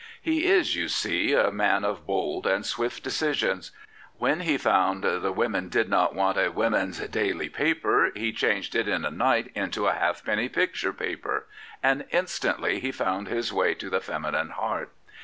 He is, you see, a man of bold and swift decisions. When he found the women did not want a women's daily paper, he changed it in a night into a halfpenny picture paper. And instantly he found his way to the feminine heart.